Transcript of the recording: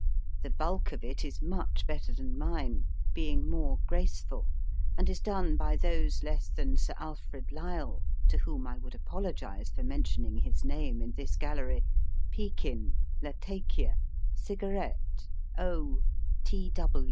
The bulk of it is much better than mine, being more graceful, and is done by those less than Sir Alfred Lyall to whom I would apologise for mentioning his name in this gallery Pekin, Latakia, Cigarette, O.